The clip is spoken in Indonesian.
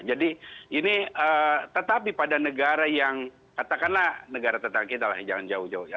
ini tetapi pada negara yang katakanlah negara tetangga kita lah yang jangan jauh jauh ya